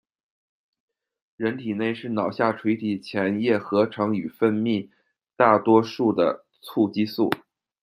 人体内是脑下垂体前叶合成与分泌大多数的促激素。